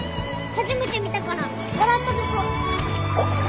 初めて見たから笑ったとこ。